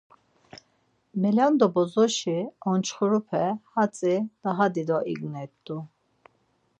Melendo bozoşi onçxirupe hatzi daha dido ignert̆u.